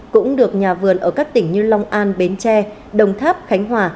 cũng được nhà vườn ở các tỉnh như long an bến tre đồng tháp khánh hòa